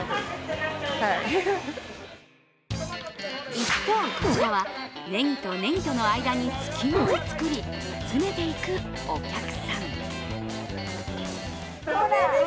一方こちらは、ねぎとねぎとの間に隙間を作り、詰めていくお客さん。